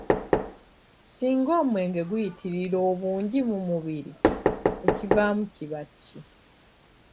"Singa omwenge guyitirira obungi mu mubiri, ekivaamu kiba ki?"